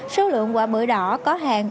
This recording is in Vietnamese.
số lượng quả bưởi đỏ có hàng